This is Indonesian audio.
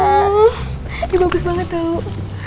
ini bagus banget tuh